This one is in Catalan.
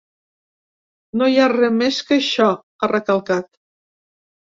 No hi ha res més que això, ha recalcat.